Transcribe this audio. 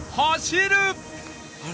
あれ？